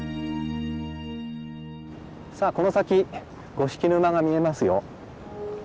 さあこの先五色沼が見えますよ。